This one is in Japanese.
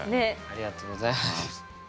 ありがとうございます。